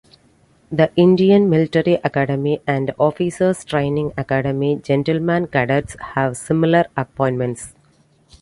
The Indian Military Academy and Officers Training Academy gentlemen cadets have similar appointments.